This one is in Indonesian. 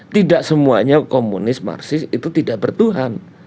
tidak semuanya komunis marsis itu tidak bertuhan